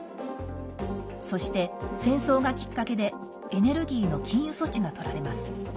そして、戦争がきっかけでエネルギーの禁輸措置がとられます。